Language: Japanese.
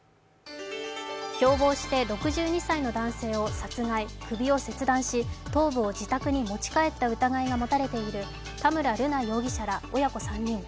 共謀して６２歳の男性を殺害、首を切断して頭部を自宅に持ち帰った疑いが持たれている田村瑠奈容疑者ら親子３人。